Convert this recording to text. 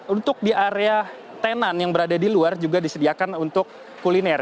untuk di area tenan yang berada di luar juga disediakan untuk kuliner